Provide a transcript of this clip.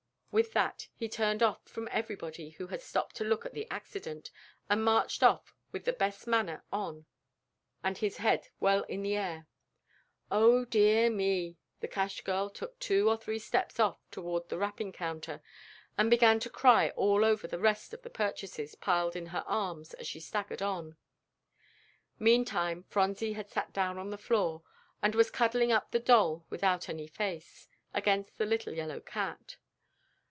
With that he turned off from everybody who had stopped to look at the accident, and marched off with his best manner on, and his head well in the air. "O dear me!" the cash girl took two or three steps off toward the wrapping counter, and began to cry all over the rest of the purchases piled in her arms, as she staggered on. Meantime Phronsie had sat right down on the floor, and was cuddling up the doll without any face, against the little yellow cat.